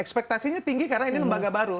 ekspektasinya tinggi karena ini lembaga baru